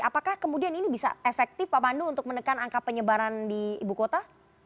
apakah kemudian ini bisa efektif pak pandu untuk menekan angka penyebaran di ibu kota